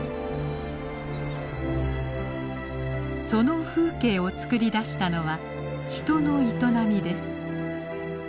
その風景をつくり出したのは人の営みです。